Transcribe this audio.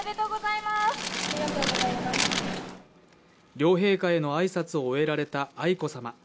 両陛下への挨拶を終えられた愛子さま。